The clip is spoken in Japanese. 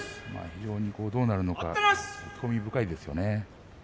どうなるのか興味深いですね。